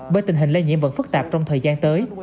bởi tình hình lây nhiễm vẫn phức tạp trong thời gian tới